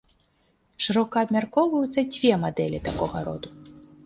Шырока абмяркоўваюцца дзве мадэлі такога роду.